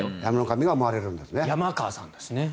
山川さんだしね。